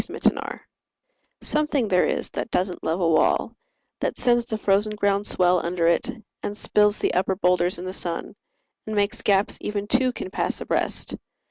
Mending Wall SOMETHING there is that doesn't love a wall, That sends the frozen ground swell under it, And spills the upper boulders in the sun; And makes gaps even two can pass abreast.